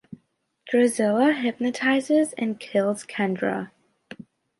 Drusilla hypnotizes and kills Kendra.